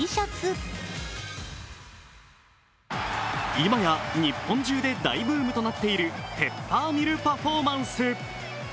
今や日本中で大ブームとなっているペッパーミルパフォーマンス。